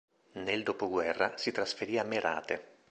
Nel dopoguerra si trasferì a Merate.